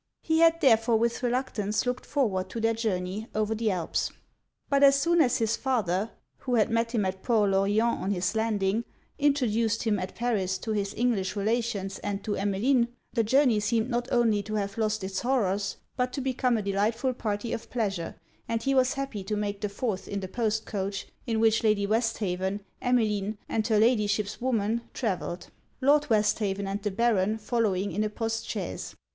He had therefore with reluctance looked forward to their journey over the Alps. But as soon as his father (who had met him at Port L'Orient on his landing) introduced him at Paris to his English relations and to Emmeline, the journey seemed not only to have lost it's horrors, but to become a delightful party of pleasure, and he was happy to make the fourth in the post coach in which Lady Westhaven, Emmeline, and her Ladyship's woman, travelled; Lord Westhaven and the Baron following in a post chaise.